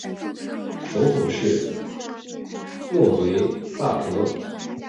首府是诺维萨德。